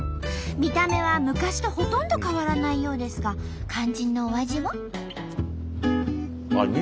見た目は昔とほとんど変わらないようですが肝心のお味は？